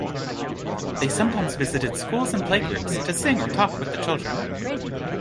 They sometimes visited schools and playgroups, to sing or talk with the children.